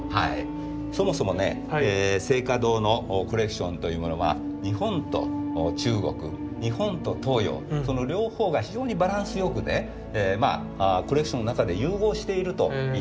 そもそもね静嘉堂のコレクションというものは日本と中国日本と東洋その両方が非常にバランス良くねコレクションの中で融合しているといっていいと思うんですね。